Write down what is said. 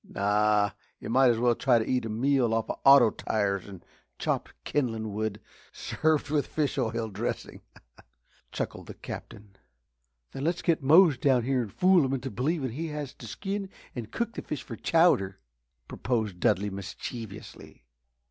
"Nah! yuh might as well try to eat a meal off of auto tires and chopped kindlin' wood served with fish oil dressin'," chuckled the Captain. "Then let's get Mose down here and fool him into believing he has to skin and cook the fish for chowder," proposed Dudley, mischievously.